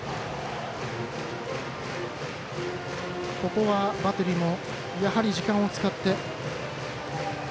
ここはバッテリーもやはり時間を使って。